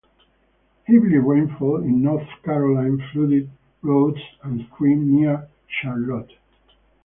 Heavy rainfall in North Carolina flooded roads and streams near Charlotte.